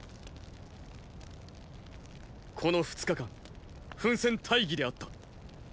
この二日間奮戦大儀であった。